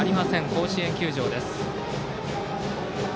甲子園球場です。